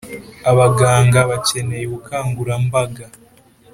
Abaganga bakeneye ubukangurambaga